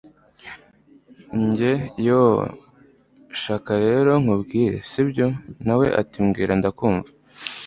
njye yoooh! sha reka nkubwire sibyo!? nawe ati mbwira ndakumva